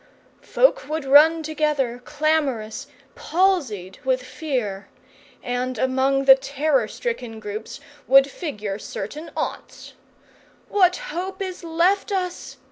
Folk would run together, clamorous, palsied with fear; and among the terror stricken groups would figure certain aunts. "What hope is left us?"